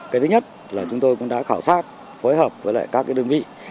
cái thứ nhất là chúng tôi cũng đã khảo sát phối hợp với lại các đơn vị